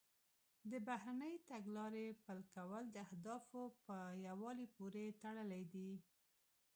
د بهرنۍ تګلارې پلي کول د اهدافو په یووالي پورې تړلي دي